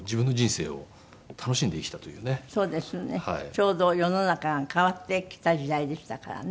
ちょうど世の中が変わってきた時代でしたからね。